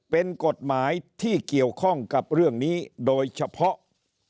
เป็นกฎหมายที่เกี่ยวข้องกับเรื่องนี้โดยเฉพาะ